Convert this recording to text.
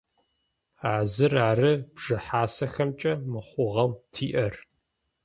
А зыр ары бжыхьасэхэмкӏэ мыхъугъэу тиӏэр.